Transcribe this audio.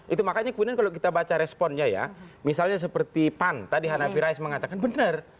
itu makanya kemudian kalau kita baca responnya ya misalnya seperti pan tadi hanafi rais mengatakan benar